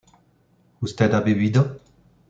¿usted ha bebido?